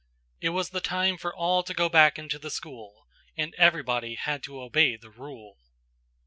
"It was the time for all to go back into the school–and everybody had to obey the rule."